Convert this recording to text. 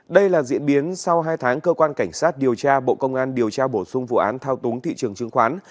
đây là diễn biến sau hai tháng cơ quan cảnh sát điều tra bộ công an điều tra bổ sung vụ án thao túng thị trường chứng khoán